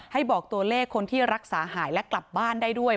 บอกตัวเลขคนที่รักษาหายและกลับบ้านได้ด้วย